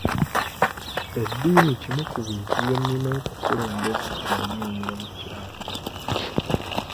Eddiini kimu ku bintu bye nnina okukulembeza nga nnoonya omukyala.